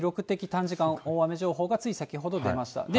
短時間大雨情報がつい先ほど出ました。